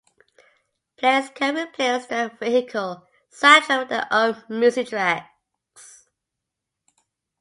Players can replace the vehicle soundtrack with their own music tracks.